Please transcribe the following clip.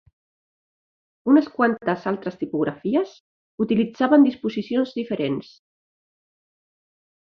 Unes quantes altres tipografies utilitzaven disposicions diferents.